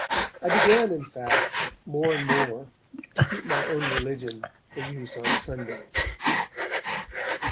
I began, in fact, more and more to keep my own religion for use on Sundays.